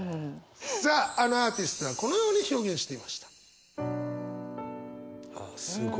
さああのアーティストはこのように表現していました。